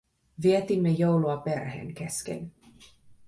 Vietimme joulua perheen kesken